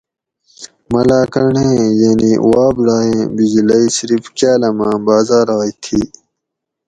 ملاکنڈیں یعنی واپڈائیں بجلئی صرف کالاۤماۤں باۤزاۤرائے تھی